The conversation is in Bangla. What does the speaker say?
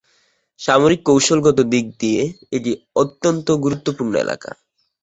সামরিক কৌশলগত দিক দিয়ে এটি অত্যন্ত গুরুত্বপূর্ণ এলাকা।